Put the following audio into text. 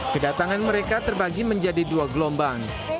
kedatangan mereka terbagi menjadi dua gelombang